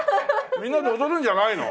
みんなで踊るんじゃないの？